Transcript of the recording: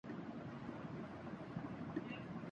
وزیر داخلہ کی عقل کو بھی داد دیجئے۔